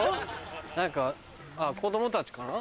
何か子供たちかな？